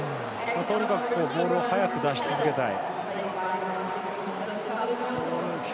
とにかくボールを早く出し続けたい。